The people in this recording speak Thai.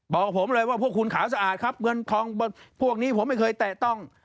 บอกผมเลยว่าพวกคุณขาวสะอาดครับเงินทองพวกนี้ผมไม่เคยแตะต้อง